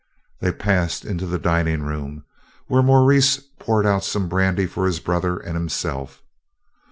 They passed into the dining room, where Maurice poured out some brandy for his brother and himself.